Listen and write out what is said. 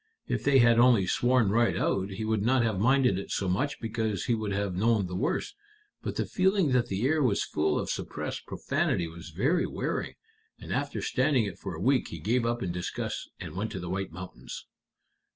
If they had only sworn right out, he would not have minded it so much, because he would have known the worst. But the feeling that the air was full of suppressed profanity was very wearing, and after standing it for a week he gave up in disgust and went to the White Mountains."